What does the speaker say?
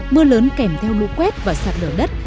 mưa lớn kèm theo lũ quét và sạt lở đất